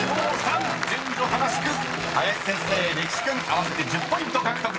［林先生れきしクン合わせて１０ポイント獲得です］